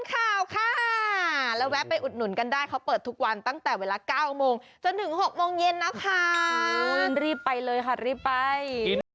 เขาเปิดทุกวันตั้งแต่เวลาเก้าโมงจนถึงหกโมงเย็นนะคะอุ้ยรีบไปเลยค่ะรีบไป